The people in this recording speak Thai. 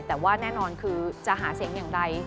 แต่ว่าแน่นอนคือจะหาเสียงอย่างไร